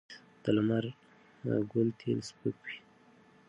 د لمر ګل تېل سپک وي.